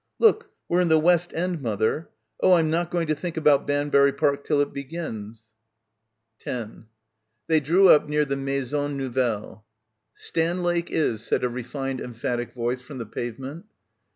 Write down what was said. "Look, we're in the West End, mother! Oh, I'm not going to think about Banbury Park t'll it begins !" 10 They drew up near the Maison Nouvelle. "Stanlake is," said a refined emphatic voice from the pavement.